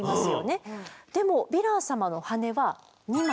でもヴィラン様の羽は２枚。